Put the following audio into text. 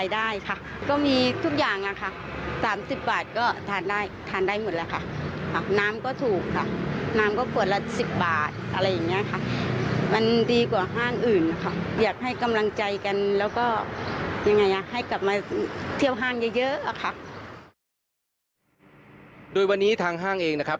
โดยวันนี้ทางห้างเองนะครับ